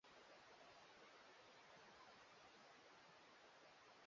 matangazo yanawasaidia wakulima kukumbuka vizuri sana